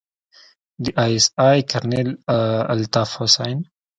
د آى اس آى کرنيل الطاف حسين.